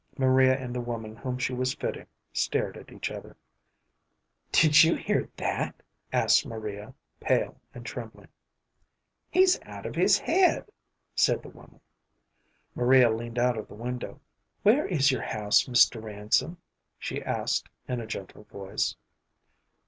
Maria and the woman whom she was fitting stared at each other. "Did you hear that?" asked Maria, pale and trembling. "He's out of his head," said the woman. Maria leaned out of the window. "Where is your house, Mr. Ransom?" she asked, in a gentle voice.